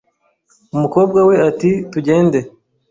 Umukobwa we ati tugende